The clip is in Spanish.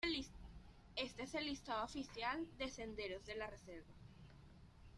Este es el listado oficial de senderos de la reserva.